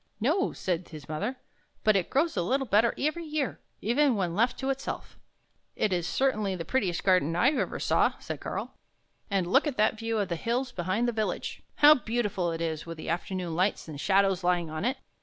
"" No," said his mother, " but it grows a little better every year, even when left to itself." " It is certainly the prettiest garden I ever saw," said Karl. " And look at that view of the hills behind the village! How beautiful it is with the afternoon lights and shadows lying on it!